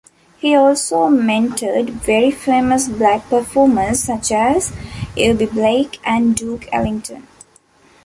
He also mentored very famous black performers such as Eubie Blake and Duke Ellington.